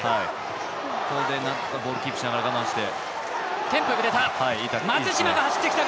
これでボールキープしながら我慢して。